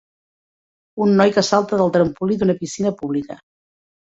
Un noi que salta del trampolí d'una piscina pública.